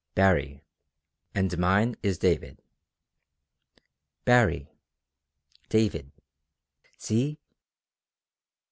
"Baree. And mine is David." "Baree David. See!"